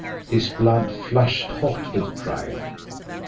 His blood flushed hot with pride.